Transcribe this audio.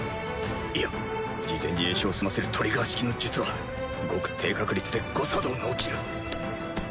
いや事前に詠唱を済ませるトリガー式の術はごく低確率で誤作動が起きる